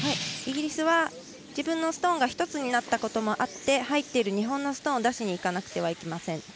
イギリスは自分のストーン１つになったこともあって入っている日本のストーンを出しにいかなくてはいけません。